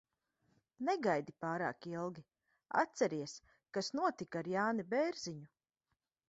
Negaidi pārāk ilgi. Atceries, kas notika ar Jāni Bērziņu?